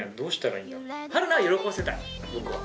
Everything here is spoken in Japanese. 春菜を喜ばせたい僕は。